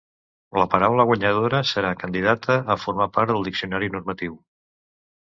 La paraula guanyadora serà candidata a formar part del diccionari normatiu.